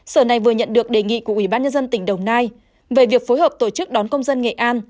sở này vừa nhận được đề nghị của ủy ban nhân dân tỉnh đồng nai về việc phối hợp tổ chức đón công dân nghệ an